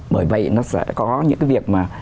bởi vậy nó sẽ có những cái việc mà